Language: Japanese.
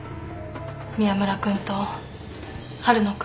宮村君と春野君。